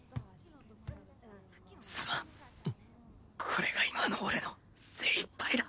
これが今の俺の精いっぱいだ。